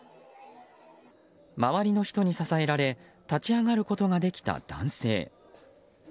周りの人に支えられ立ち上がることができた男性。